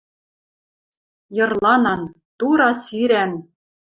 Йырланан — тура сирӓн.